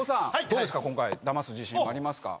どうですか？